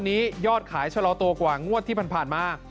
งวดนี้ยอดขายเฉลาตัวกว่างวดที่ผ่านมา